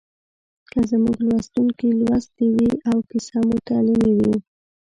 که زموږ لوستونکي لوستې وي او کیسه مو تعلیمي وي